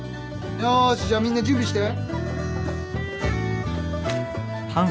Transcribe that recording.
よーしじゃあみんな準備して。